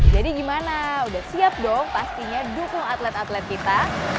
jadi gimana udah siap dong pastinya dukung atlet atlet kita